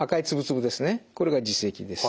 これが耳石です。